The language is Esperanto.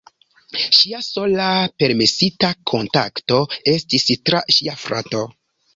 Ŝia sola permesita kontakto estis tra ŝia frato.